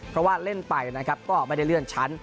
เพราะว่าเล่นไปนะครับก็ไม่ได้เลื่อนชั้น